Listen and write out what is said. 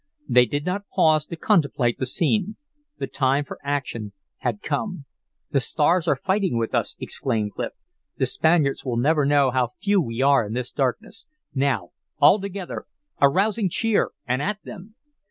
They did not pause to contemplate the scene. The time for action had come. "The stars are fighting with us!" exclaimed Clif. "The Spaniards will never know how few we are in this darkness. Now, all together. A rousing cheer and at them!"